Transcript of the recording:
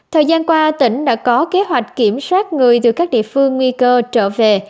thời gian qua tỉnh đã có kế hoạch kiểm soát người từ các địa phương nguy cơ trở về